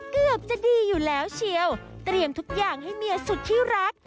เกือบจะดีอยู่แล้วเชียวเตรียมทุกอย่างให้เมียสุดที่รัก